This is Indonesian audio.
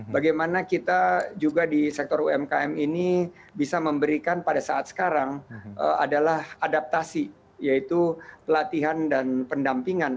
bagaimana kita juga di sektor umkm ini bisa memberikan pada saat sekarang adalah adaptasi yaitu pelatihan dan pendampingan